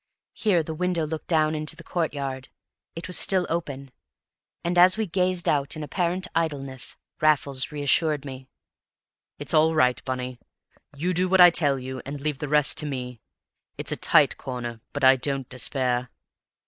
Here the window looked down into the courtyard; it was still open; and as we gazed out in apparent idleness, Raffles reassured me. "It's all right, Bunny; you do what I tell you and leave the rest to me. It's a tight corner, but I don't despair.